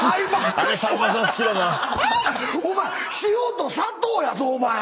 お前塩と砂糖やぞ！